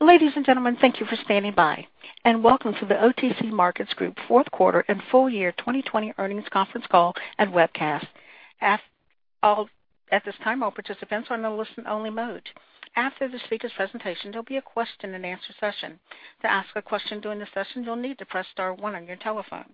Ladies and gentlemen, thank you for standing by, and welcome to the OTC Markets Group fourth quarter and full year 2020 earnings conference call and webcast. At this time, all participants are in a listen-only mode. After the speaker's presentation, there will be a question-and-answer session. To ask a question during the session, you'll need to press star one on your telephone.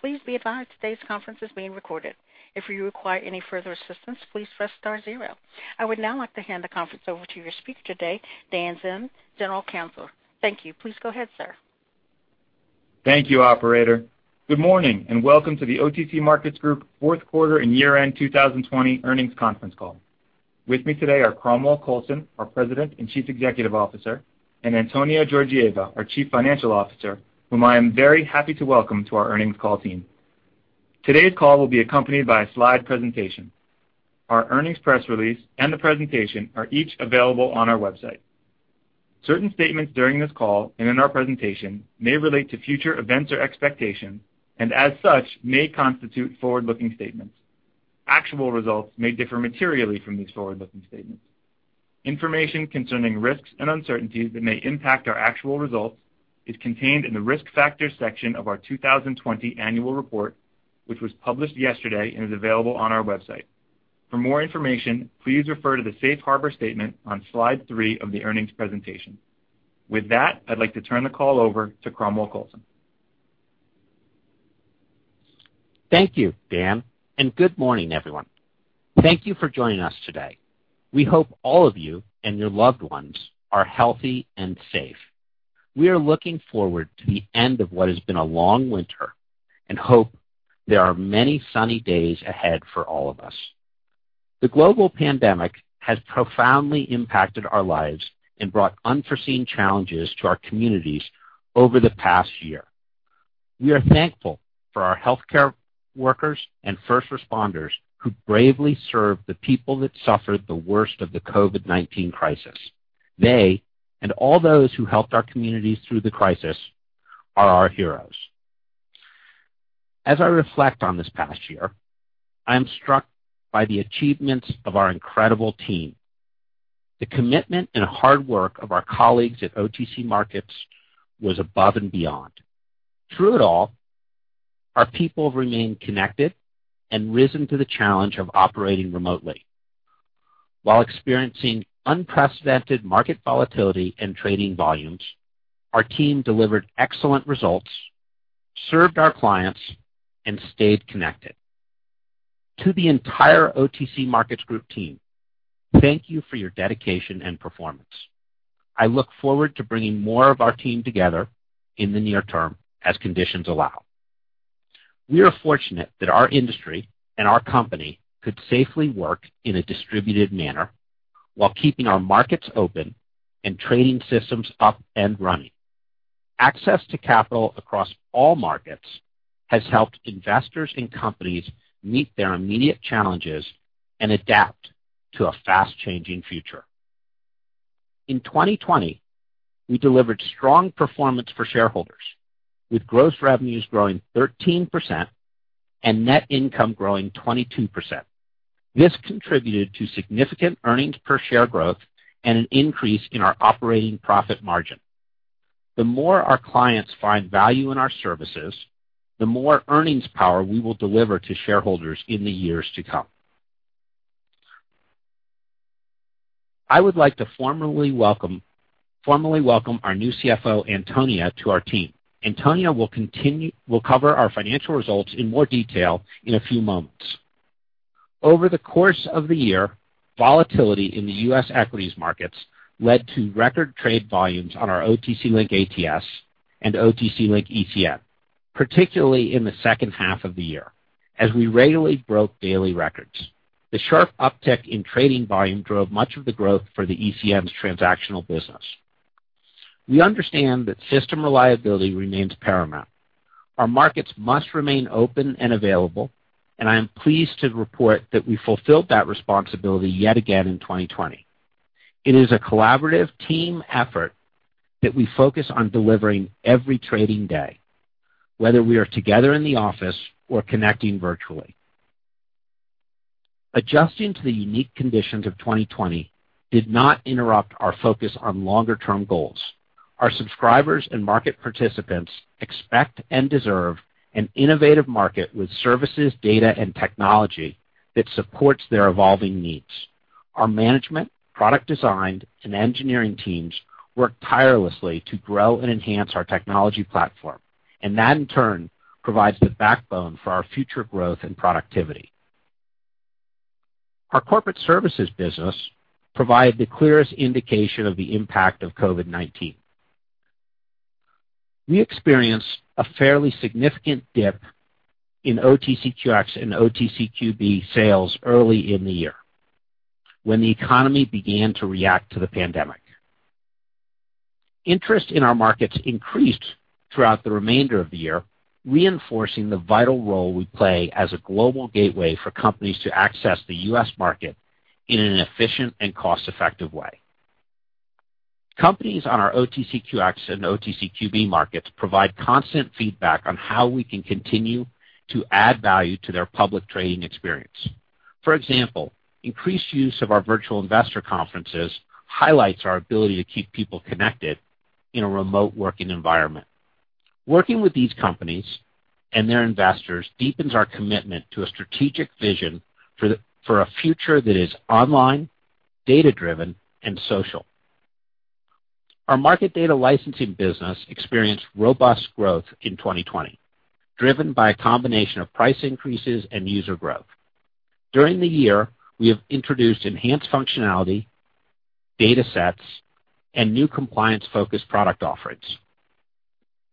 Please be advised today's conference is being recorded. If you require any further assistance, please press star zero. I would now like to hand the conference over to your speaker today, Dan Zinn, General Counsel. Thank you. Please go ahead, sir. Thank you, Operator. Good morning and welcome to the OTC Markets Group fourth quarter and year-end 2020 earnings conference call. With me today are Cromwell Coulson, our President and Chief Executive Officer, and Antonia Georgieva, our Chief Financial Officer, whom I am very happy to welcome to our earnings call team. Today's call will be accompanied by a slide presentation. Our earnings press release and the presentation are each available on our website. Certain statements during this call and in our presentation may relate to future events or expectations, and as such, may constitute forward-looking statements. Actual results may differ materially from these forward-looking statements. Information concerning risks and uncertainties that may impact our actual results is contained in the risk factors section of our 2020 annual report, which was published yesterday and is available on our website. For more information, please refer to the safe harbor statement on slide three of the earnings presentation. With that, I'd like to turn the call over to Cromwell Coulson. Thank you, Dan, and good morning, everyone. Thank you for joining us today. We hope all of you and your loved ones are healthy and safe. We are looking forward to the end of what has been a long winter and hope there are many sunny days ahead for all of us. The global pandemic has profoundly impacted our lives and brought unforeseen challenges to our communities over the past year. We are thankful for our healthcare workers and first responders who bravely served the people that suffered the worst of the COVID-19 crisis. They and all those who helped our communities through the crisis are our heroes. As I reflect on this past year, I am struck by the achievements of our incredible team. The commitment and hard work of our colleagues at OTC Markets was above and beyond. Through it all, our people have remained connected and risen to the challenge of operating remotely. While experiencing unprecedented market volatility and trading volumes, our team delivered excellent results, served our clients, and stayed connected. To the entire OTC Markets Group team, thank you for your dedication and performance. I look forward to bringing more of our team together in the near term as conditions allow. We are fortunate that our industry and our company could safely work in a distributed manner while keeping our markets open and trading systems up and running. Access to capital across all markets has helped investors and companies meet their immediate challenges and adapt to a fast-changing future. In 2020, we delivered strong performance for shareholders, with gross revenues growing 13% and net income growing 22%. This contributed to significant earnings per share growth and an increase in our operating profit margin. The more our clients find value in our services, the more earnings power we will deliver to shareholders in the years to come. I would like to formally welcome our new CFO, Antonia, to our team. Antonia will cover our financial results in more detail in a few moments. Over the course of the year, volatility in the U.S. equities markets led to record trade volumes on our OTC Link ATS and OTC Link ECN, particularly in the second half of the year, as we regularly broke daily records. The sharp uptick in trading volume drove much of the growth for the ECN's transactional business. We understand that system reliability remains paramount. Our markets must remain open and available, and I am pleased to report that we fulfilled that responsibility yet again in 2020. It is a collaborative team effort that we focus on delivering every trading day, whether we are together in the office or connecting virtually. Adjusting to the unique conditions of 2020 did not interrupt our focus on longer-term goals. Our subscribers and market participants expect and deserve an innovative market with services, data, and technology that supports their evolving needs. Our management, product design, and engineering teams work tirelessly to grow and enhance our technology platform, and that in turn provides the backbone for our future growth and productivity. Our corporate services business provided the clearest indication of the impact of COVID-19. We experienced a fairly significant dip in OTCQX and OTCQB sales early in the year when the economy began to react to the pandemic. Interest in our markets increased throughout the remainder of the year, reinforcing the vital role we play as a global gateway for companies to access the U.S. market in an efficient and cost-effective way. Companies on our OTCQX and OTCQB markets provide constant feedback on how we can continue to add value to their public trading experience. For example, increased use of our Virtual Investor Conferences highlights our ability to keep people connected in a remote working environment. Working with these companies and their investors deepens our commitment to a strategic vision for a future that is online, data-driven, and social. Our market data licensing business experienced robust growth in 2020, driven by a combination of price increases and user growth. During the year, we have introduced enhanced functionality, data sets, and new compliance-focused product offerings.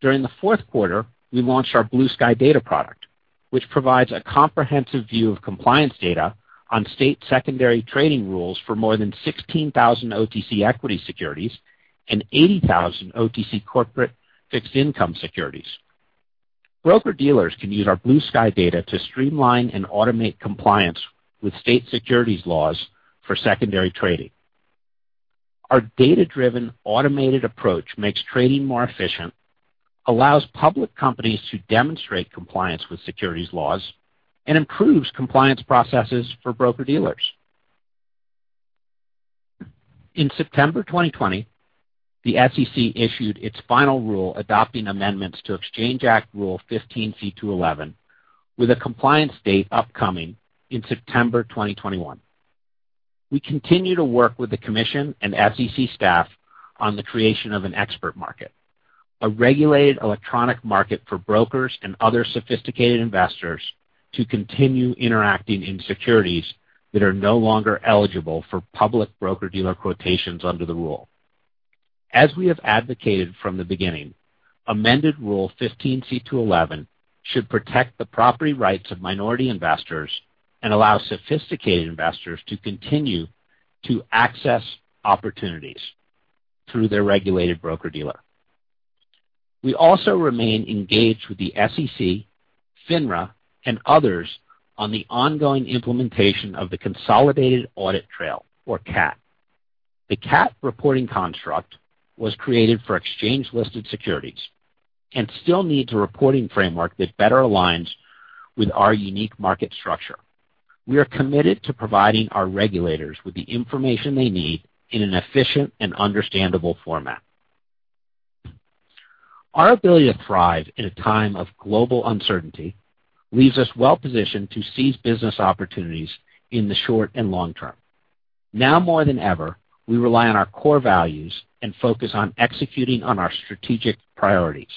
During the fourth quarter, we launched our Blue Sky Data product, which provides a comprehensive view of compliance data on state secondary trading rules for more than 16,000 OTC equity securities and 80,000 OTC corporate fixed income securities. Broker-dealers can use our Blue Sky Data to streamline and automate compliance with state securities laws for secondary trading. Our data-driven, automated approach makes trading more efficient, allows public companies to demonstrate compliance with securities laws, and improves compliance processes for broker-dealers. In September 2020, the SEC issued its final rule adopting amendments to Exchange Act Rule 15c2-11, with a compliance date upcoming in September 2021. We continue to work with the Commission and SEC staff on the creation of an expert market, a regulated electronic market for brokers and other sophisticated investors to continue interacting in securities that are no longer eligible for public broker-dealer quotations under the rule. As we have advocated from the beginning, amended Rule 15c2-11 should protect the property rights of minority investors and allow sophisticated investors to continue to access opportunities through their regulated broker-dealer. We also remain engaged with the SEC, FINRA, and others on the ongoing implementation of the consolidated audit trail, or CAT. The CAT reporting construct was created for exchange-listed securities and still needs a reporting framework that better aligns with our unique market structure. We are committed to providing our regulators with the information they need in an efficient and understandable format. Our ability to thrive in a time of global uncertainty leaves us well-positioned to seize business opportunities in the short and long-term. Now more than ever, we rely on our core values and focus on executing on our strategic priorities.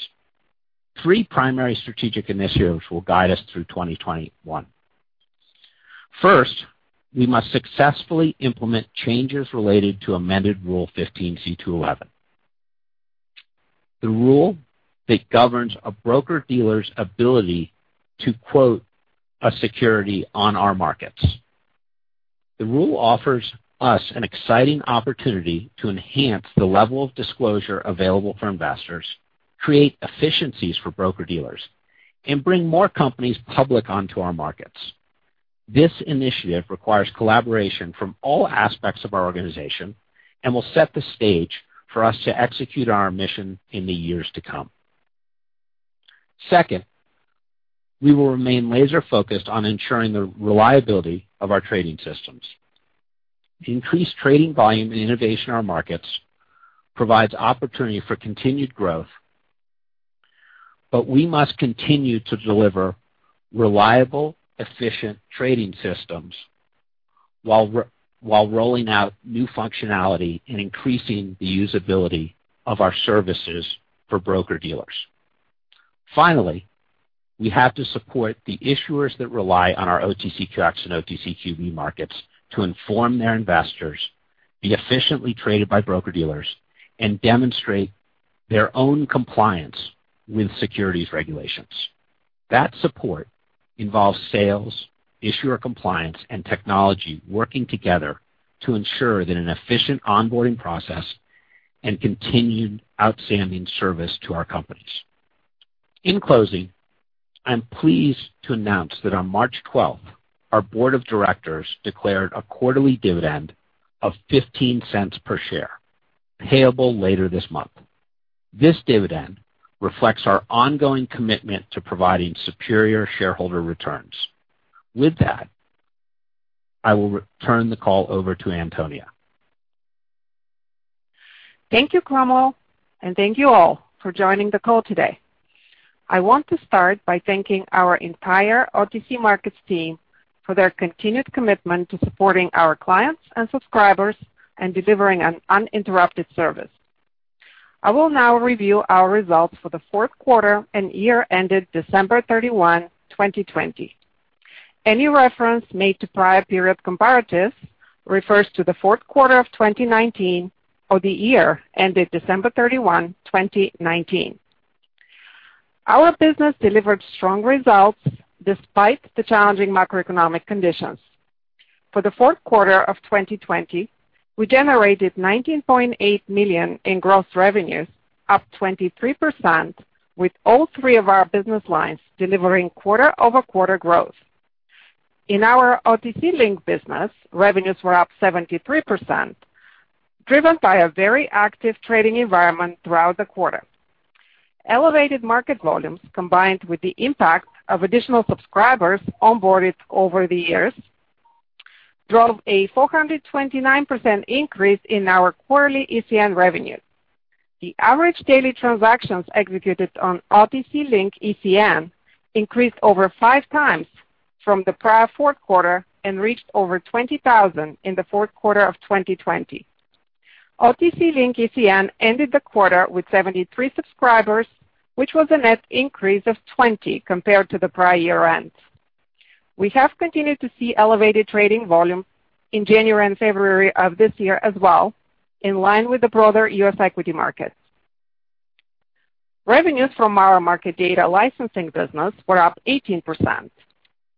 Three primary strategic initiatives will guide us through 2021. First, we must successfully implement changes related to amended Rule 15c2-11, the rule that governs a broker-dealer's ability to quote a security on our markets. The rule offers us an exciting opportunity to enhance the level of disclosure available for investors, create efficiencies for broker-dealers, and bring more companies public onto our markets. This initiative requires collaboration from all aspects of our organization and will set the stage for us to execute on our mission in the years to come. Second, we will remain laser-focused on ensuring the reliability of our trading systems. Increased trading volume and innovation in our markets provides opportunity for continued growth, but we must continue to deliver reliable, efficient trading systems while rolling out new functionality and increasing the usability of our services for broker-dealers. Finally, we have to support the issuers that rely on our OTCQX and OTCQB markets to inform their investors, be efficiently traded by broker-dealers, and demonstrate their own compliance with securities regulations. That support involves sales, issuer compliance, and technology working together to ensure an efficient onboarding process and continued outstanding service to our companies. In closing, I'm pleased to announce that on March 12th, our board of directors declared a quarterly dividend of $0.15 per share, payable later this month. This dividend reflects our ongoing commitment to providing superior shareholder returns. With that, I will turn the call over to Antonia. Thank you, Cromwell, and thank you all for joining the call today. I want to start by thanking our entire OTC Markets team for their continued commitment to supporting our clients and subscribers and delivering an uninterrupted service. I will now review our results for the fourth quarter and year ended December 31, 2020. Any reference made to prior period comparatives refers to the fourth quarter of 2019 or the year ended December 31, 2019. Our business delivered strong results despite the challenging macroeconomic conditions. For the fourth quarter of 2020, we generated $19.8 million in gross revenues, up 23%, with all three of our business lines delivering quarter-over-quarter growth. In our OTC Link business, revenues were up 73%, driven by a very active trading environment throughout the quarter. Elevated market volumes, combined with the impact of additional subscribers onboarded over the years, drove a 429% increase in our quarterly ECN revenue. The average daily transactions executed on OTC Link ECN increased over five times from the prior fourth quarter and reached over 20,000 in the fourth quarter of 2020. OTC Link ECN ended the quarter with 73 subscribers, which was a net increase of 20 compared to the prior year-end. We have continued to see elevated trading volume in January and February of this year as well, in line with the broader U.S. equity markets. Revenues from our market data licensing business were up 18%,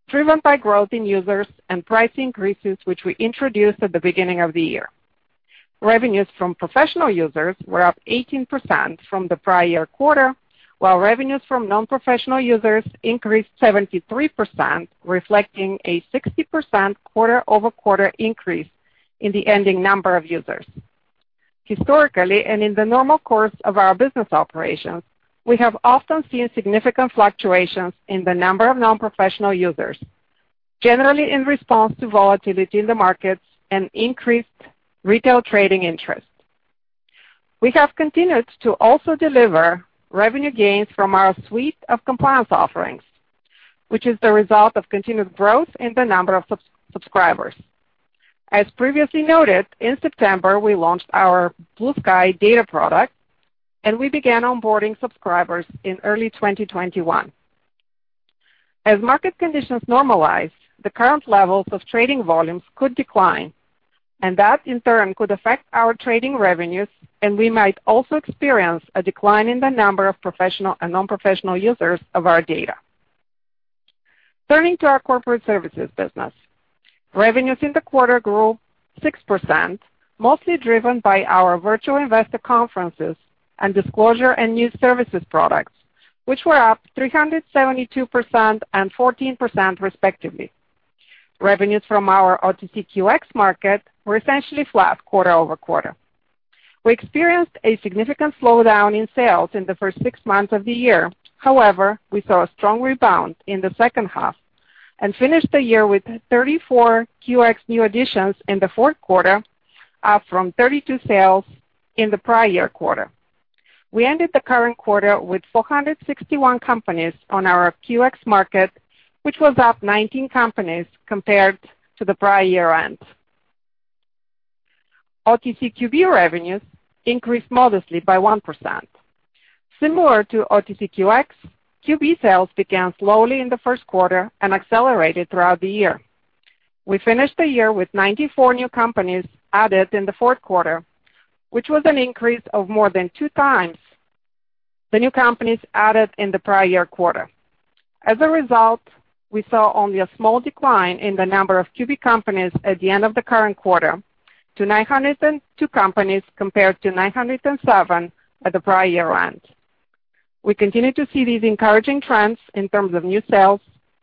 driven by growth in users and price increases which we introduced at the beginning of the year. Revenues from professional users were up 18% from the prior year quarter, while revenues from non-professional users increased 73%, reflecting a 60% quarter-over-quarter increase in the ending number of users. Historically and in the normal course of our business operations, we have often seen significant fluctuations in the number of non-professional users, generally in response to volatility in the markets and increased retail trading interest. We have continued to also deliver revenue gains from our suite of compliance offerings, which is the result of continued growth in the number of subscribers. As previously noted, in September, we launched our Blue Sky Data product, and we began onboarding subscribers in early 2021. As market conditions normalized, the current levels of trading volumes could decline, and that in turn could affect our trading revenues, and we might also experience a decline in the number of professional and non-professional users of our data. Turning to our corporate services business, revenues in the quarter grew 6%, mostly driven by our Virtual Investor Conferences and disclosure and new services products, which were up 372% and 14%, respectively. Revenues from our OTCQX market were essentially flat quarter-over-quarter. We experienced a significant slowdown in sales in the first six months of the year. However, we saw a strong rebound in the second half and finished the year with 34 QX new additions in the fourth quarter, up from 32 sales in the prior year quarter. We ended the current quarter with 461 companies on our QX market, which was up 19 companies compared to the prior year-end. OTCQB revenues increased modestly by 1%. Similar to OTCQX, QB sales began slowly in the first quarter and accelerated throughout the year. We finished the year with 94 new companies added in the fourth quarter, which was an increase of more than two times the new companies added in the prior year quarter. As a result, we saw only a small decline in the number of QB companies at the end of the current quarter to 902 companies compared to 907 at the prior year-end. We continue to see these encouraging trends in terms of new sales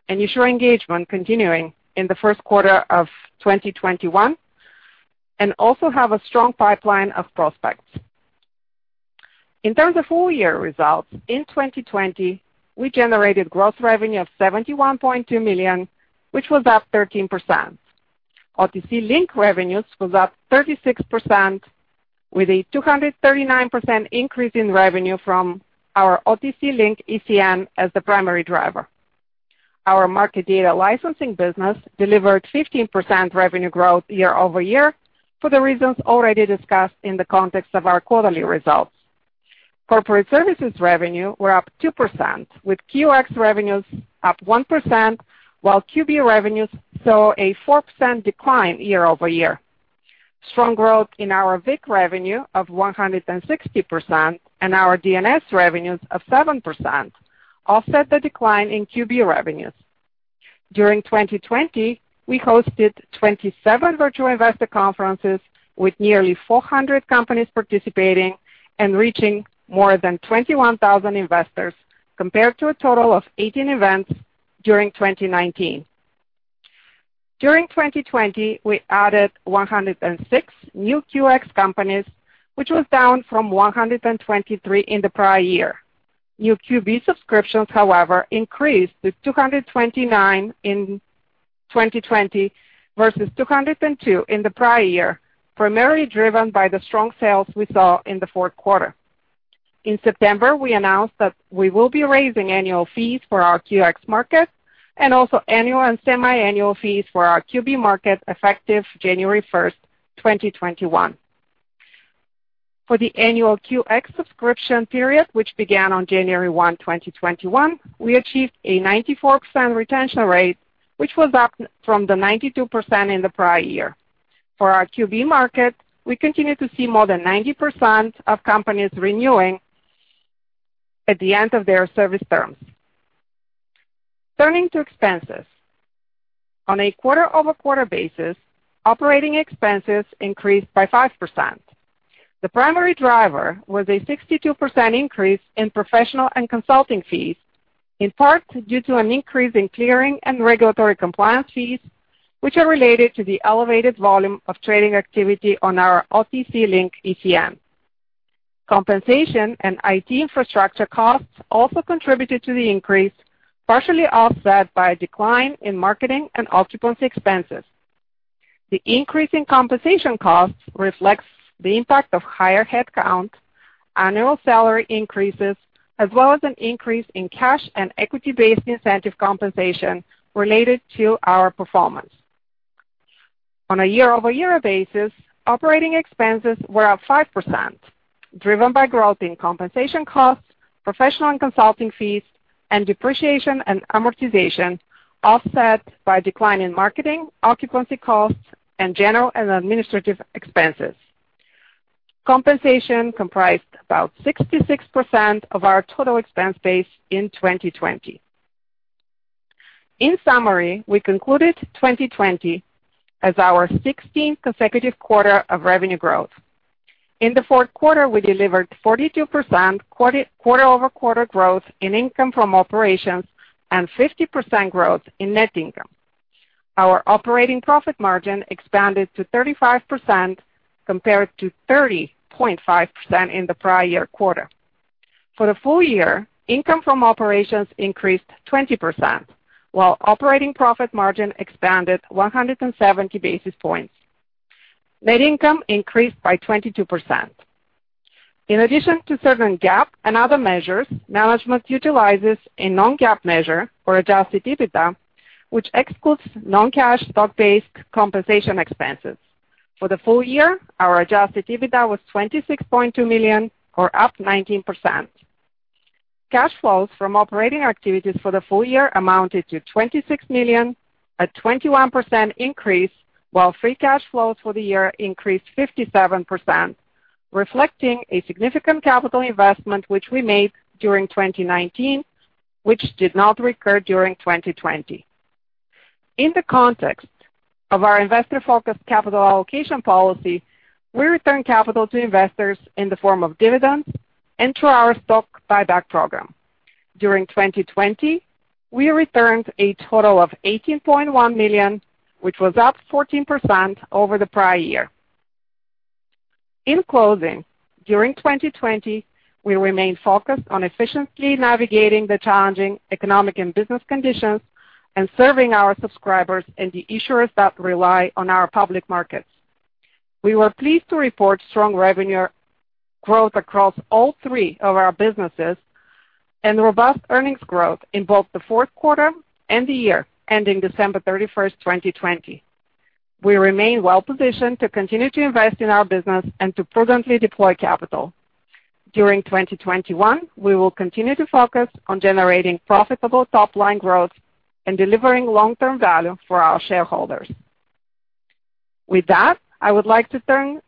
and issuer engagement continuing in the first quarter of 2021 and also have a strong pipeline of prospects. In terms of full-year results, in 2020, we generated gross revenue of $71.2 million, which was up 13%. OTC Link revenues was up 36%, with a 239% increase in revenue from our OTC Link ECN as the primary driver. Our market data licensing business delivered 15% revenue growth year-over-year for the reasons already discussed in the context of our quarterly results. Corporate services revenue were up 2%, with QX revenues up 1%, while QB revenues saw a 4% decline year-over-year. Strong growth in our VIC revenue of 160% and our DNS revenues of 7% offset the decline in QB revenues. During 2020, we hosted 27 virtual investor conferences with nearly 400 companies participating and reaching more than 21,000 investors compared to a total of 18 events during 2019. During 2020, we added 106 new QX companies, which was down from 123 in the prior year. New QB subscriptions, however, increased to 229 in 2020 versus 202 in the prior year, primarily driven by the strong sales we saw in the fourth quarter. In September, we announced that we will be raising annual fees for our QX market and also annual and semiannual fees for our QB market effective January 1, 2021. For the annual QX subscription period, which began on January 1, 2021, we achieved a 94% retention rate, which was up from the 92% in the prior year. For our QB market, we continue to see more than 90% of companies renewing at the end of their service terms. Turning to expenses, on a quarter-over-quarter basis, operating expenses increased by 5%. The primary driver was a 62% increase in professional and consulting fees, in part due to an increase in clearing and regulatory compliance fees, which are related to the elevated volume of trading activity on our OTC Link ECN. Compensation and IT infrastructure costs also contributed to the increase, partially offset by a decline in marketing and occupancy expenses. The increase in compensation costs reflects the impact of higher headcount, annual salary increases, as well as an increase in cash and equity-based incentive compensation related to our performance. On a year-over-year basis, operating expenses were up 5%, driven by growth in compensation costs, professional and consulting fees, and depreciation and amortization, offset by a decline in marketing, occupancy costs, and general and administrative expenses. Compensation comprised about 66% of our total expense base in 2020. In summary, we concluded 2020 as our 16th consecutive quarter of revenue growth. In the fourth quarter, we delivered 42% quarter-over-quarter growth in income from operations and 50% growth in net income. Our operating profit margin expanded to 35% compared to 30.5% in the prior year quarter. For the full year, income from operations increased 20%, while operating profit margin expanded 170 basis points. Net income increased by 22%. In addition to certain GAAP and other measures, management utilizes a non-GAAP measure, or adjusted EBITDA, which excludes non-cash stock-based compensation expenses. For the full year, our adjusted EBITDA was $26.2 million, or up 19%. Cash flows from operating activities for the full year amounted to $26 million, a 21% increase, while free cash flows for the year increased 57%, reflecting a significant capital investment which we made during 2019, which did not recur during 2020. In the context of our investor-focused capital allocation policy, we return capital to investors in the form of dividends and through our stock buyback program. During 2020, we returned a total of $18.1 million, which was up 14% over the prior year. In closing, during 2020, we remained focused on efficiently navigating the challenging economic and business conditions and serving our subscribers and the issuers that rely on our public markets. We were pleased to report strong revenue growth across all three of our businesses and robust earnings growth in both the fourth quarter and the year ending December 31st, 2020. We remain well-positioned to continue to invest in our business and to prudently deploy capital. During 2021, we will continue to focus on generating profitable top-line growth and delivering long-term value for our shareholders. With that, I would like to turn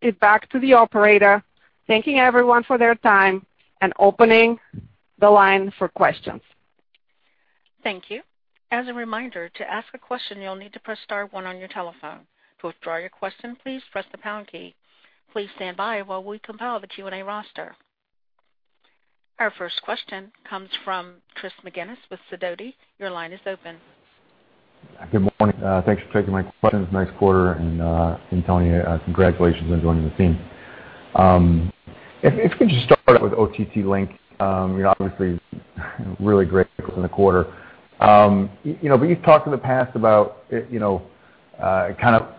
it back to the operator, thanking everyone for their time and opening the line for questions. Thank you. As a reminder, to ask a question, you'll need to press star one on your telephone. To withdraw your question, please press the pound key. Please stand by while we compile the Q&A roster. Our first question comes from Chris McGinnis with Sidoti. Your line is open. Good morning. Thanks for taking my questions next quarter. Antonia, congratulations on joining the team. If we could just start out with OTC Link, obviously really great growth in the quarter. You've talked in the past about kind of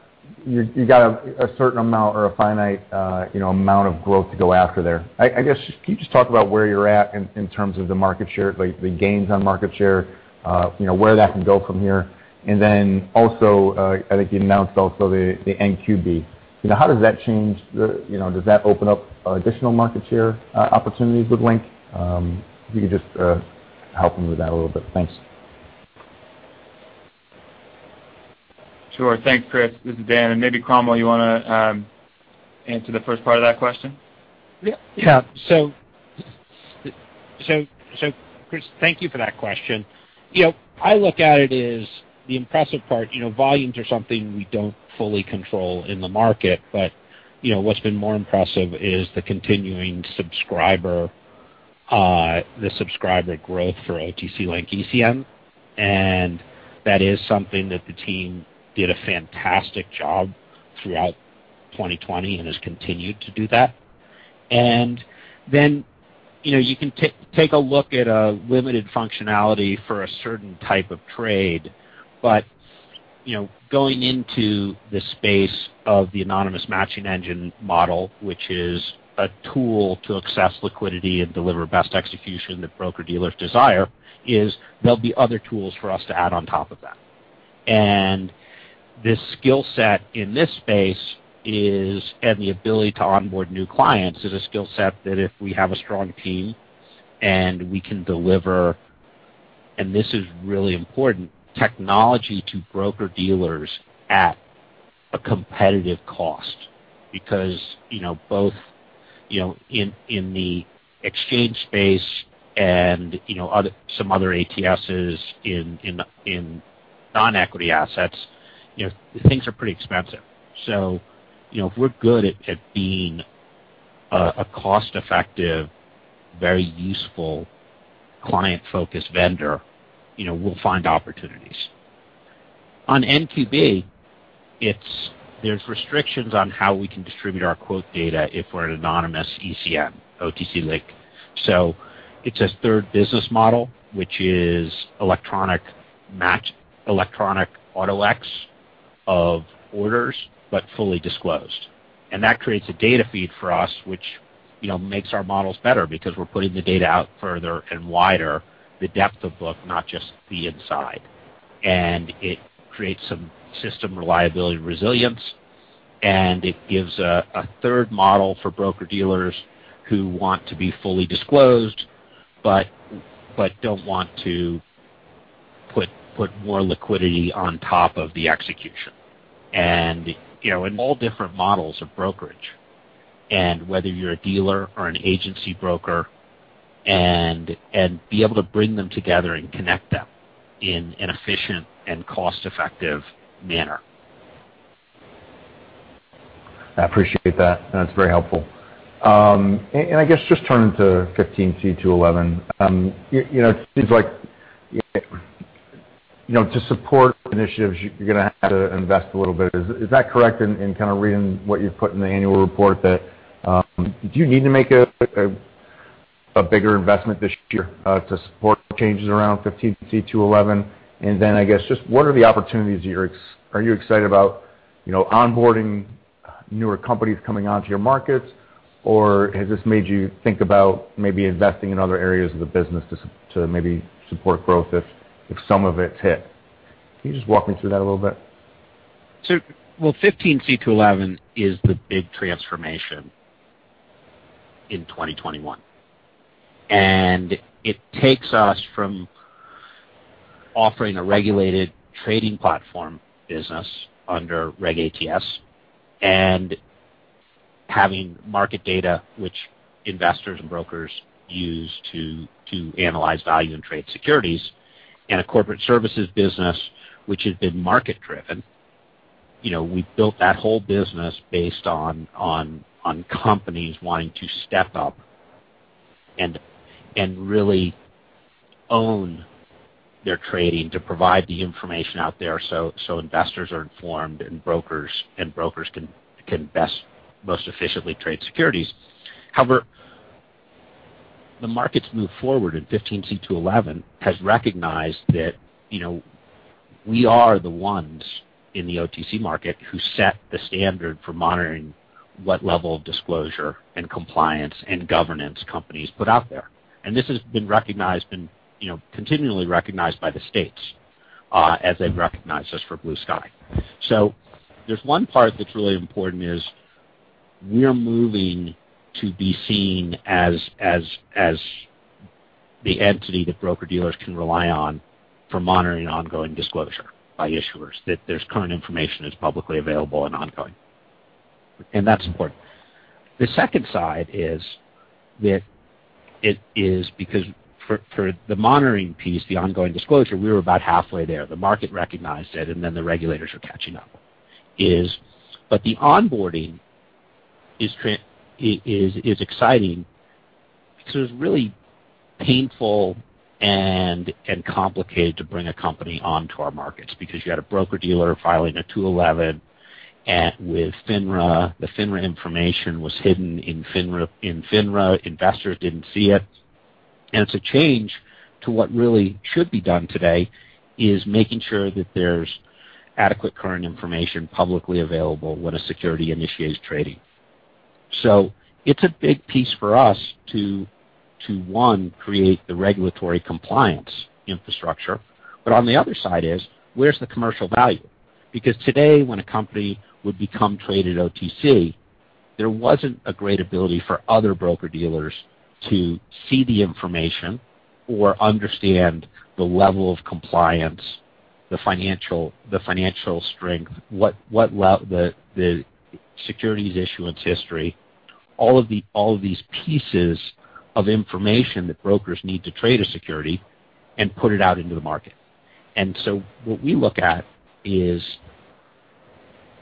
you got a certain amount or a finite amount of growth to go after there. I guess can you just talk about where you're at in terms of the market share, the gains on market share, where that can go from here? I think you announced also the NQB. How does that change? Does that open up additional market share opportunities with Link? If you could just help me with that a little bit. Thanks. Sure. Thanks, Chris. This is Dan. Maybe Cromwell, you want to answer the first part of that question? Yeah. Chris, thank you for that question. I look at it as the impressive part. Volumes are something we don't fully control in the market, but what's been more impressive is the continuing subscriber growth for OTC Link ECN. That is something that the team did a fantastic job throughout 2020 and has continued to do that. You can take a look at a limited functionality for a certain type of trade. Going into the space of the anonymous matching engine model, which is a tool to access liquidity and deliver best execution that broker-dealers desire, there will be other tools for us to add on top of that. The skill set in this space and the ability to onboard new clients is a skill set that if we have a strong team and we can deliver, and this is really important, technology to broker-dealers at a competitive cost because both in the exchange space and some other ATSs in non-equity assets, things are pretty expensive. If we're good at being a cost-effective, very useful client-focused vendor, we'll find opportunities. On NQB, there's restrictions on how we can distribute our quote data if we're an anonymous ECN, OTC Link. It is a third business model, which is electronic auto X of orders, but fully disclosed. That creates a data feed for us, which makes our models better because we're putting the data out further and wider, the depth of book, not just the inside. It creates some system reliability resilience, and it gives a third model for broker-dealers who want to be fully disclosed but do not want to put more liquidity on top of the execution. All different models of brokerage, and whether you are a dealer or an agency broker, and be able to bring them together and connect them in an efficient and cost-effective manner. I appreciate that. That's very helpful. I guess just turning to 15c2-11, it seems like to support initiatives, you're going to have to invest a little bit. Is that correct in kind of reading what you've put in the annual report that you need to make a bigger investment this year to support changes around 15c2-11? I guess just what are the opportunities that you're excited about? Are you excited about onboarding newer companies coming onto your markets, or has this made you think about maybe investing in other areas of the business to maybe support growth if some of it's hit? Can you just walk me through that a little bit? 15c2-11 is the big transformation in 2021. It takes us from offering a regulated trading platform business under Reg ATS and having market data, which investors and brokers use to analyze value and trade securities, and a corporate services business, which has been market-driven. We built that whole business based on companies wanting to step up and really own their trading to provide the information out there so investors are informed and brokers can best, most efficiently trade securities. However, the market's moved forward, and 15c2-11 has recognized that we are the ones in the OTC market who set the standard for monitoring what level of disclosure and compliance and governance companies put out there. This has been recognized and continually recognized by the states as they've recognized us for Blue Sky. There's one part that's really important is we're moving to be seen as the entity that broker-dealers can rely on for monitoring ongoing disclosure by issuers, that there's current information that's publicly available and ongoing. That's important. The second side is that it is because for the monitoring piece, the ongoing disclosure, we were about halfway there. The market recognized it, and then the regulators are catching up. The onboarding is exciting because it was really painful and complicated to bring a company onto our markets because you had a broker-dealer filing a 211 with FINRA. The FINRA information was hidden in FINRA. Investors didn't see it. It's a change to what really should be done today, is making sure that there's adequate current information publicly available when a security initiates trading. It's a big piece for us to, one, create the regulatory compliance infrastructure. On the other side is, where's the commercial value? Because today, when a company would become traded OTC, there wasn't a great ability for other broker-dealers to see the information or understand the level of compliance, the financial strength, the securities issuance history, all of these pieces of information that brokers need to trade a security and put it out into the market. What we look at is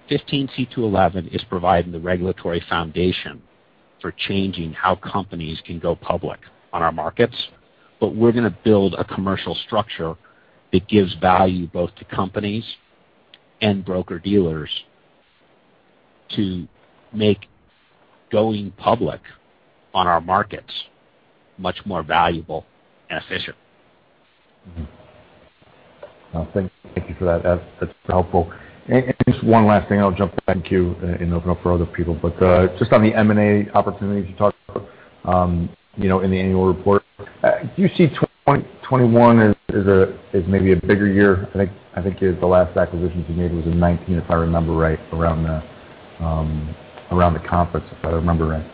15c2-11 is providing the regulatory foundation for changing how companies can go public on our markets. We're going to build a commercial structure that gives value both to companies and broker-dealers to make going public on our markets much more valuable and efficient. Thank you for that. That's helpful. Just one last thing. I'll jump back to you and open up for other people. Just on the M&A opportunities you talked about in the annual report, do you see 2021 as maybe a bigger year? I think the last acquisition you made was in 2019, if I remember right, around the conference, if I remember right.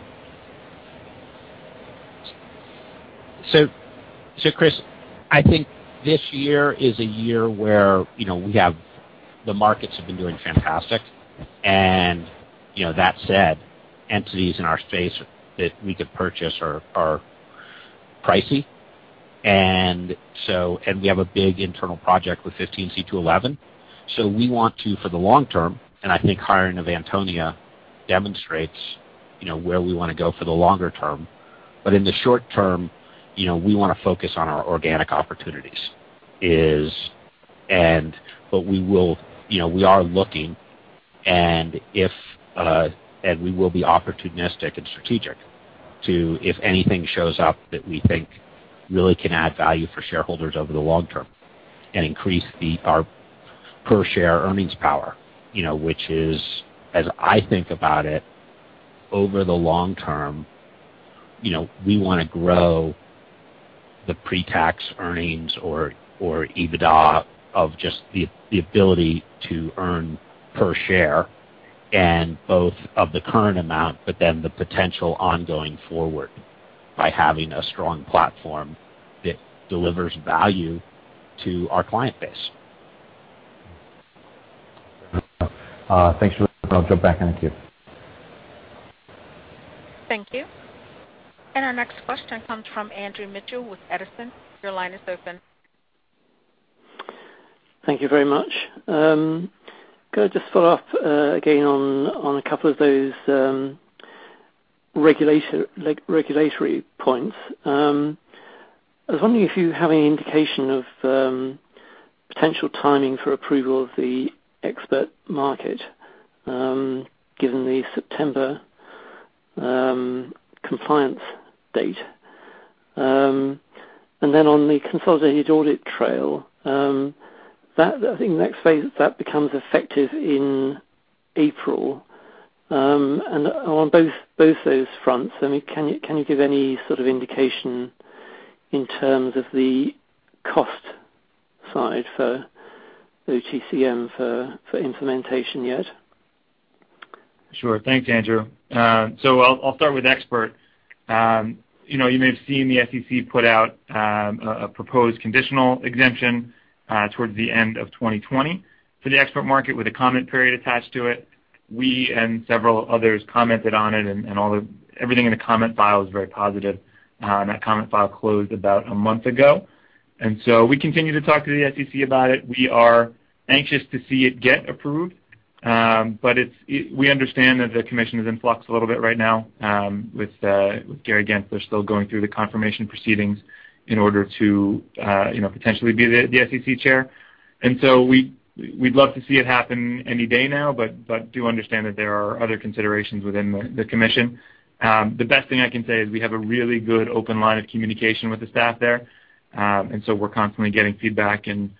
Chris, I think this year is a year where we have the markets have been doing fantastic. That said, entities in our space that we could purchase are pricey. We have a big internal project with 15c2-11. We want to, for the long-term, and I think hiring of Antonia demonstrates where we want to go for the longer-term. In the short-term, we want to focus on our organic opportunities. We are looking, and we will be opportunistic and strategic to, if anything shows up that we think really can add value for shareholders over the long-term and increase our per-share earnings power, which is, as I think about it, over the long-term, we want to grow the pre-tax earnings or EBITDA of just the ability to earn per share and both of the current amount, but then the potential ongoing forward by having a strong platform that delivers value to our client base. Thanks. I'll jump back on queue. Thank you. Our next question comes from Andrew Mitchell with Edison. Your line is open. Thank you very much. Could I just follow up again on a couple of those regulatory points? I was wondering if you have any indication of potential timing for approval of the expert market given the September compliance date. I was also wondering on the consolidated audit trail, I think the next phase of that becomes effective in April. On both those fronts, I mean, can you give any sort of indication in terms of the cost side for OTC for implementation yet? Sure. Thanks, Andrew. I'll start with expert. You may have seen the SEC put out a proposed conditional exemption towards the end of 2020 for the expert market with a comment period attached to it. We and several others commented on it, and everything in the comment file is very positive. That comment file closed about a month ago. We continue to talk to the SEC about it. We are anxious to see it get approved. We understand that the commission is in flux a little bit right now with Gary Gensler. They're still going through the confirmation proceedings in order to potentially be the SEC chair. We'd love to see it happen any day now, but do understand that there are other considerations within the commission. The best thing I can say is we have a really good open line of communication with the staff there. We are constantly getting feedback and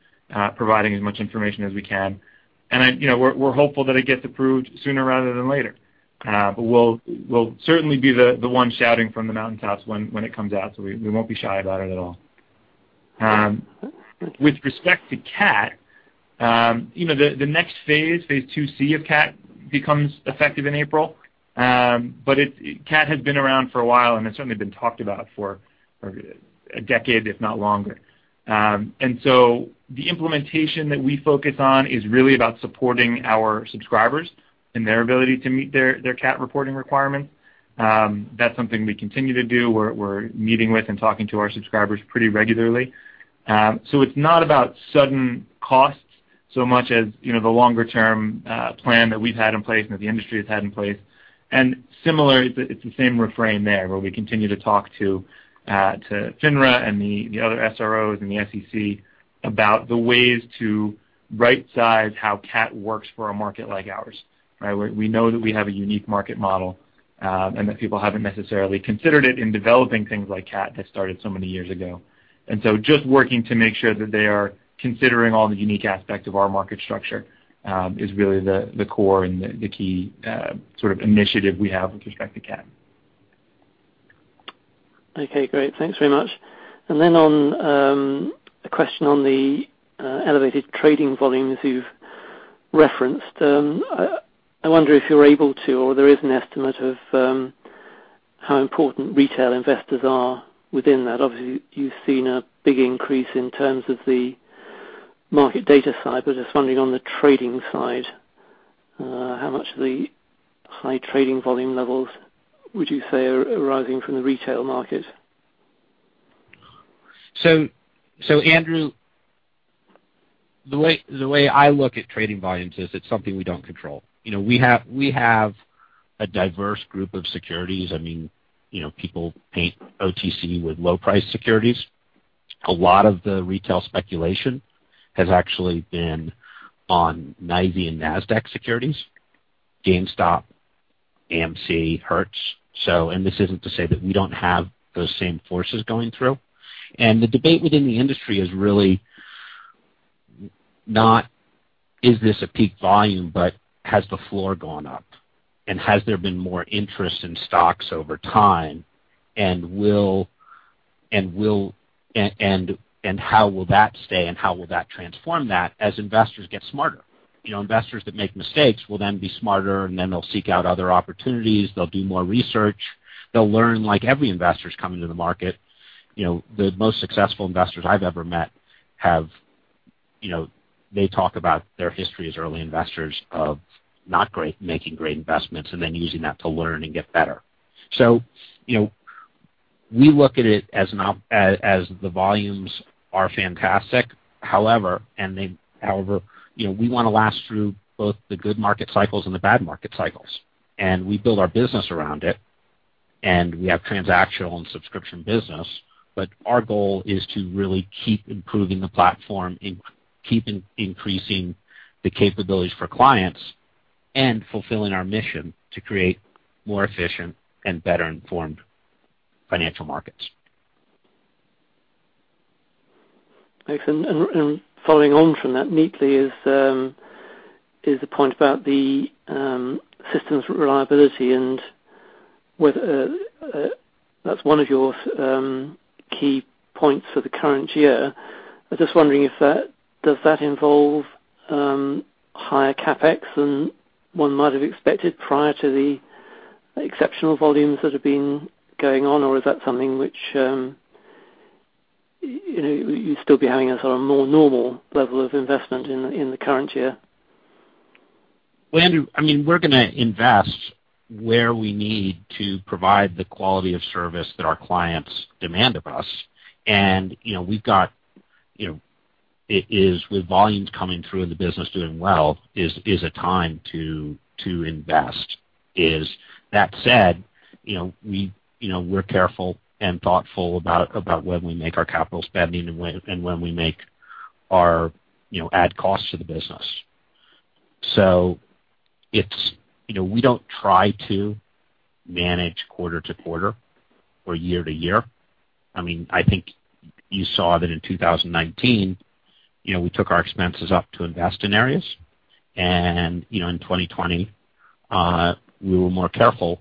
providing as much information as we can. We are hopeful that it gets approved sooner rather than later. We will certainly be the ones shouting from the mountaintops when it comes out. We will not be shy about it at all. With respect to CAT, the next phase, phase 2C of CAT, becomes effective in April. CAT has been around for a while, and it has certainly been talked about for a decade, if not longer. The implementation that we focus on is really about supporting our subscribers and their ability to meet their CAT reporting requirements. That is something we continue to do. We are meeting with and talking to our subscribers pretty regularly. It is not about sudden costs so much as the longer-term plan that we have had in place and that the industry has had in place. Similar, it is the same refrain there where we continue to talk to FINRA and the other SROs and the SEC about the ways to right-size how CAT works for a market like ours. We know that we have a unique market model and that people have not necessarily considered it in developing things like CAT that started so many years ago. Just working to make sure that they are considering all the unique aspects of our market structure is really the core and the key sort of initiative we have with respect to CAT. Okay. Great. Thanks very much. On a question on the elevated trading volumes you've referenced, I wonder if you're able to, or there is an estimate of how important retail investors are within that. Obviously, you've seen a big increase in terms of the market data side, but just wondering on the trading side, how much of the high trading volume levels would you say are arising from the retail market? Andrew, the way I look at trading volumes is it's something we don't control. We have a diverse group of securities. I mean, people paint OTC with low-price securities. A lot of the retail speculation has actually been on NYSE and NASDAQ securities: GameStop, AMC, Hertz. This isn't to say that we don't have those same forces going through. The debate within the industry is really not, "Is this a peak volume?" but, "Has the floor gone up?" and, "Has there been more interest in stocks over time?" and, "Will?" and, "How will that stay?" and, "How will that transform that?" as investors get smarter. Investors that make mistakes will then be smarter, and then they'll seek out other opportunities. They'll do more research. They'll learn like every investor's coming to the market. The most successful investors I've ever met, they talk about their history as early investors of not making great investments and then using that to learn and get better. We look at it as the volumes are fantastic. However, we want to last through both the good market cycles and the bad market cycles. We build our business around it, and we have transactional and subscription business. Our goal is to really keep improving the platform, keep increasing the capabilities for clients, and fulfilling our mission to create more efficient and better-informed financial markets. Thanks. Following on from that neatly is the point about the system's reliability. That's one of your key points for the current year. I was just wondering if that does involve higher CapEx than one might have expected prior to the exceptional volumes that have been going on, or is that something which you'd still be having a sort of more normal level of investment in the current year? Andrew, I mean, we're going to invest where we need to provide the quality of service that our clients demand of us. We've got it is with volumes coming through and the business doing well, is a time to invest. That said, we're careful and thoughtful about when we make our capital spending and when we make our added costs to the business. We don't try to manage quarter to quarter or year to year. I mean, I think you saw that in 2019, we took our expenses up to invest in areas. In 2020, we were more careful,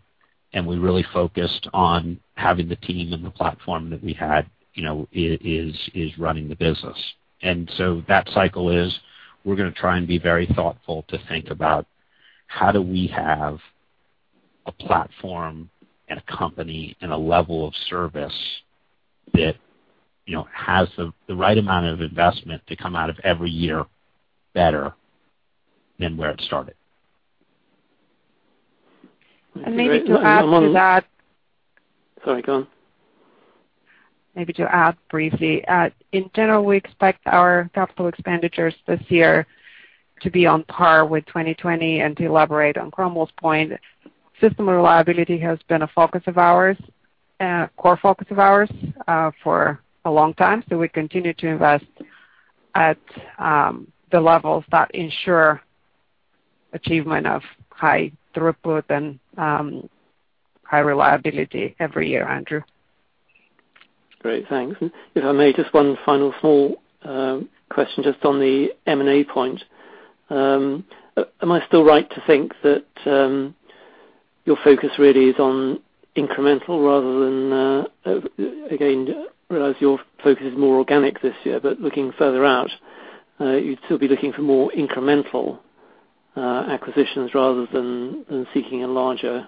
and we really focused on having the team and the platform that we had is running the business. That cycle is we're going to try and be very thoughtful to think about how do we have a platform and a company and a level of service that has the right amount of investment to come out of every year better than where it started. Maybe to add to that. Sorry, go on. Maybe to add briefly, in general, we expect our capital expenditures this year to be on par with 2020. To elaborate on Cromwell's point, system reliability has been a focus of ours, a core focus of ours for a long time. We continue to invest at the levels that ensure achievement of high throughput and high reliability every year, Andrew. Great. Thanks. If I may, just one final small question just on the M&A point. Am I still right to think that your focus really is on incremental rather than again, realize your focus is more organic this year, but looking further out, you'd still be looking for more incremental acquisitions rather than seeking a larger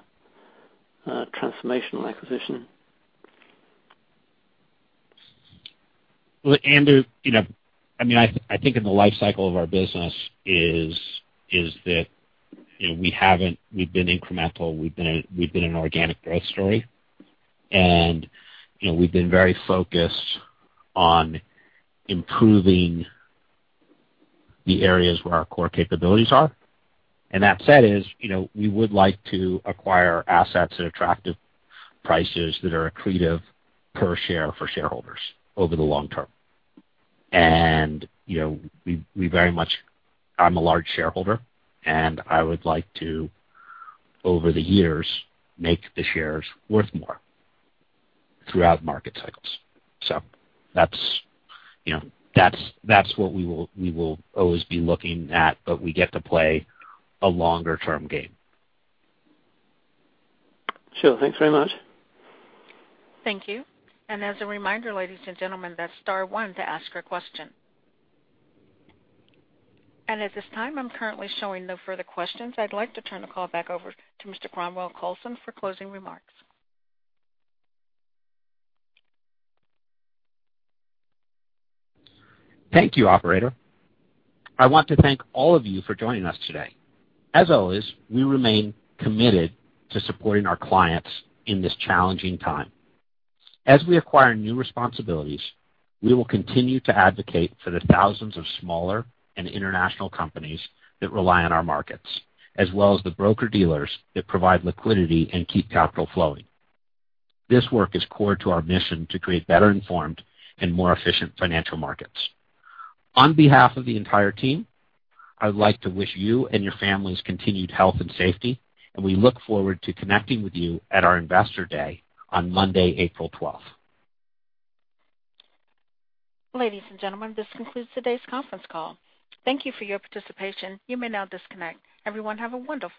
transformational acquisition? Andrew, I mean, I think in the life cycle of our business is that we haven't, we've been incremental. We've been an organic growth story. We've been very focused on improving the areas where our core capabilities are. That said, we would like to acquire assets at attractive prices that are accretive per share for shareholders over the long-term. I'm a large shareholder, and I would like to, over the years, make the shares worth more throughout market cycles. That is what we will always be looking at, but we get to play a longer-term game. Sure. Thanks very much. Thank you. As a reminder, ladies and gentlemen, that's star one to ask a question. At this time, I'm currently showing no further questions. I'd like to turn the call back over to Mr. Cromwell Coulson for closing remarks. Thank you, operator. I want to thank all of you for joining us today. As always, we remain committed to supporting our clients in this challenging time. As we acquire new responsibilities, we will continue to advocate for the thousands of smaller and international companies that rely on our markets, as well as the broker-dealers that provide liquidity and keep capital flowing. This work is core to our mission to create better-informed and more efficient financial markets. On behalf of the entire team, I would like to wish you and your families continued health and safety, and we look forward to connecting with you at our Investor Day on Monday, April 12th. Ladies and gentlemen, this concludes today's conference call. Thank you for your participation. You may now disconnect. Everyone, have a wonderful day.